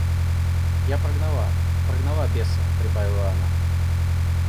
Я прогнала, прогнала беса, — прибавила она.